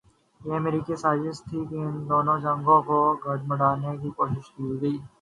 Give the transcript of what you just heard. یہ امریکی سازش تھی کہ ان دونوں جنگوں کوگڈمڈ کرنے کی کوشش کی گئی۔